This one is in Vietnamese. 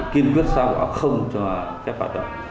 kiên quyết xa hỏa không cho phép hoạt động